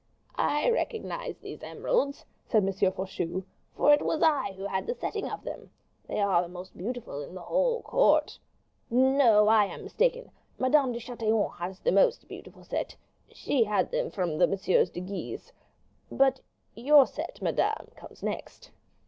"I recognize these emeralds," said M. Faucheux; "for it was I who had the setting of them. They are the most beautiful in the whole court. No, I am mistaken; Madame de Chatillon has the most beautiful set; she had them from Messieurs de Guise; but your set, madame, comes next."